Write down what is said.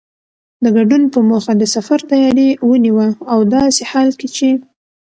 د ګډون په موخه د سفر تیاری ونیوه او داسې حال کې چې